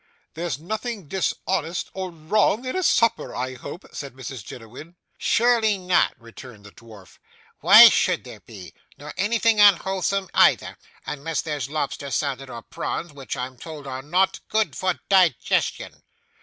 'There's nothing dishonest or wrong in a supper, I hope?' said Mrs Jiniwin. 'Surely not,' returned the dwarf. 'Why should there be? Nor anything unwholesome, either, unless there's lobster salad or prawns, which I'm told are not good for digestion.